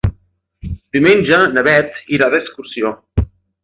Diumenge na Bet irà d'excursió.